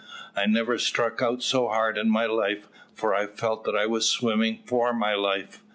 I never struck out so hard in my life, for I felt that I was swimming for my life.